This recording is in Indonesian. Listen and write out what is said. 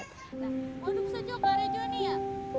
kita bisa sekolah ke rejon ya